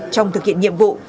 trong thực hiện nhiệm vụ